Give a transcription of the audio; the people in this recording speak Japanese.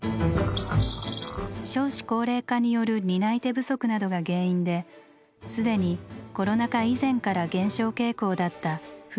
少子高齢化による担い手不足などが原因で既にコロナ禍以前から減少傾向だった「ふるさと」の祭り。